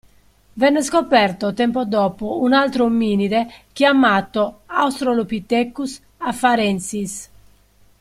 Venne scoperto tempo dopo un altro ominide chiamato Australopithecus Afarensis.